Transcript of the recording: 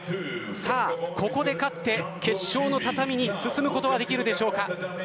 ここで勝って決勝の畳に進むことができるでしょうか。